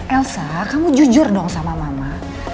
elsa kamu jujur dong sama mama